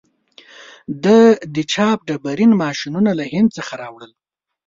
ده د چاپ ډبرین ماشینونه له هند څخه راوړل.